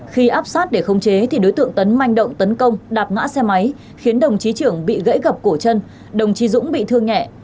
khi áp sát để khống chế thì đối tượng tấn manh động tấn công đạp ngã xe máy khiến đồng chí trưởng bị gãy gập cổ chân đồng chí dũng bị thương nhẹ